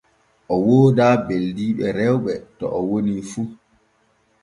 O woodaa beldiiɓe rewɓe to o woni fu.